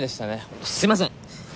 本当すいません！